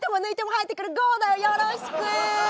よろしく。